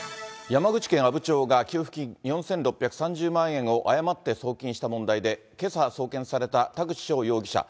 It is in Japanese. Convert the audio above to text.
山口県阿武町が給付金４６３０万円を誤って送金した問題で、けさ送検された田口翔容疑者。